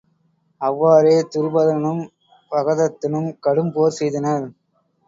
அவ்வாறே துருபதனும் பகதத்தனும் கடும் போர் செய்தனர்.